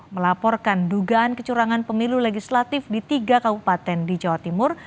melaporkan dugaan kecurangan pemilu legislatif di tiga kabupaten di jawa timur